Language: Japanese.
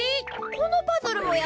このパズルもや！